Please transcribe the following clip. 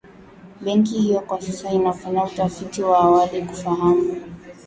Benki hiyo kwa sasa inafanya utafiti wa awali kufahamu